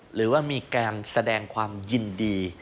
หรือว่ามีการแสดงความยินดี